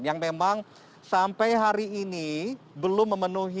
yang memang sampai hari ini belum memenuhi